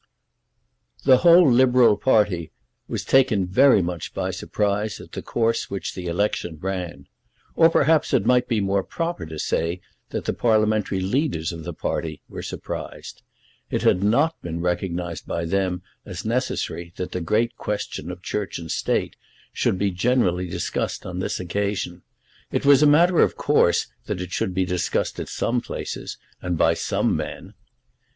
The whole Liberal party was taken very much by surprise at the course which the election ran. Or perhaps it might be more proper to say that the parliamentary leaders of the party were surprised. It had not been recognised by them as necessary that the great question of Church and State should be generally discussed on this occasion. It was a matter of course that it should be discussed at some places, and by some men.